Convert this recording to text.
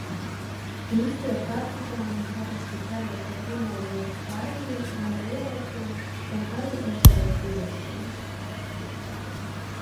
Īstie partizāni parasti karo pret ienaidnieka armiju gan ar ieročiem, gan arī izdarot diversijas.